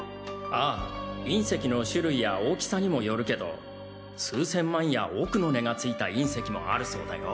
ああ隕石の種類や大きさにもよるけど数千万や億の値がついた隕石もあるそうだよ。